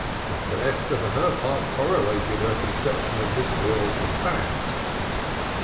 Not that Esther for her part correlated her conception of this world with facts.